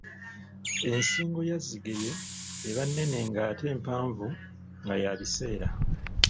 Ensingo ya zigeye eba nnene ngate mpanvu nga ya biseera.